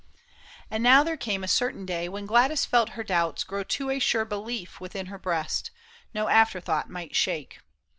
And now there came A certain day when Gladys felt her doubts Grow to a sure belief within her breast, No after thought might shake.